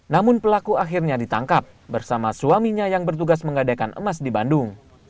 namun pelaku akhirnya ditangkap bersama suaminya yang bertugas menggadaikan emas di bandung